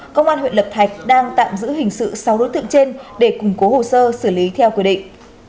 công an huyện lập thạch đang tạm giữ hình sự sáu đối tượng trên để củng cố hồ sơ xử lý theo quy định